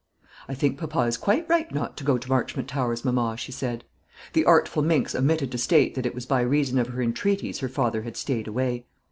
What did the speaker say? "I think papa is quite right not to go to Marchmont Towers, mamma," she said; the artful minx omitted to state that it was by reason of her entreaties her father had stayed away.